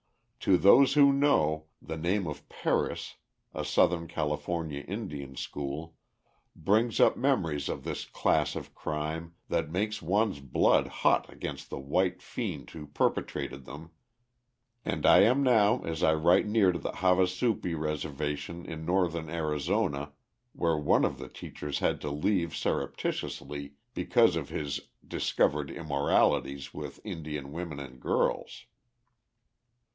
To those who know, the name of Perris a southern California Indian school brings up memories of this class of crime that make one's blood hot against the white fiend who perpetrated them, and I am now as I write near to the Havasupai reservation in northern Arizona, where one of the teachers had to leave surreptitiously because of his discovered immoralities with Indian women and girls.